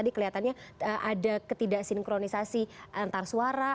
ini kelihatannya ada ketidaksinkronisasi antar suara